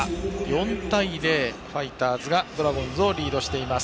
４対０とファイターズがドラゴンズをリードしています。